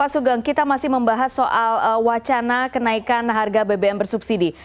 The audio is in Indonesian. pak sugeng kita masih membahas soal wacana kenaikan harga bbm bersubsidi